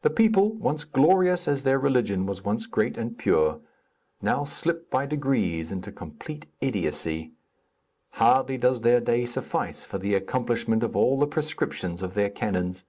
The people, once glorious as their religion was once great and pure, now slip by degrees into complete idiocy. Hardly does their day suffice for the accomplishment of all the prescriptions of their canons.